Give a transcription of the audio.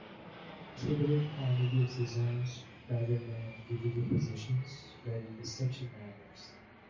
Kibrik only gives the zones rather than individual positions where the distinction matters.